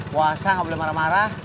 puasa gak boleh marah marah